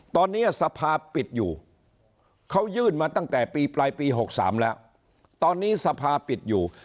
ตอนนี้สภาปิดอยู่เขายื่นมาตั้งแต่ปีปลายปี๖๓แล้วตอนนี้สภาปิดอยู่